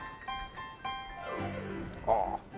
ああ。